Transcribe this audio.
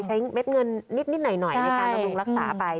ใช้เม็ดเงินนิดหน่อยในการดูแลรักษาไป